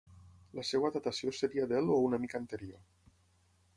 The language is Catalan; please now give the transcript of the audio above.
La seva datació seria del o una mica anterior.